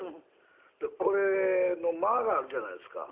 でこれの間があるじゃないですか。